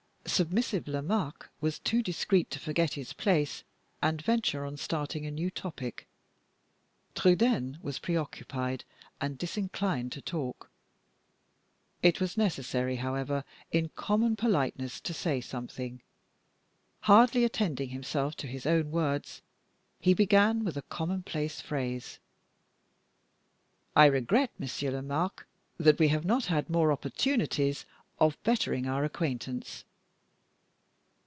Submissive Lomaque was too discreet to forget his place, and venture on starting a new topic. Trudaine was preoccupied, and disinclined to talk. It was necessary, however, in common politeness, to say something. Hardly attending himself to his own words, he began with a commonplace phrase: "I regret, Monsieur Lomaque, that we have not had more opportunities of bettering our acquaintance."